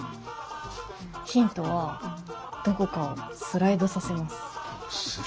ヒントはどこかをスライドさせます。